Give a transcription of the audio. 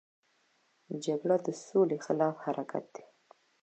جګړه د سولې خلاف حرکت دی